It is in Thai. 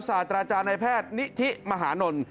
สาธาราชาณายแพทย์นิธิมหานล